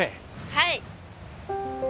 はい。